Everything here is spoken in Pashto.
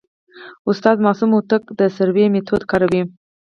استاد معصوم هوتک د سروې میتود کاروي.